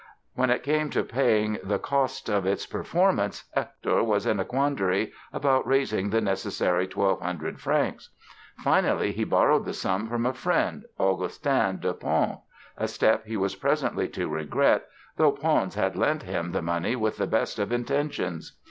When it came to paying the costs of its performance Hector was in a quandary about raising the necessary 1,200 francs. Finally he borrowed the sum from a friend, Augustin de Pons—a step he was presently to regret though Pons had lent him the money with the best of intentions.